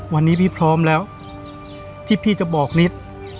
วันนี้พี่พร้อมแล้วที่พี่จะบอกนิด